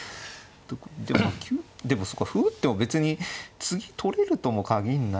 でもでもそうか歩打っても別に次取れるとも限んないですか。